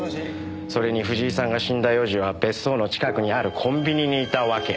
それに藤井さんが死んだ４時は別荘の近くにあるコンビニにいたわけ。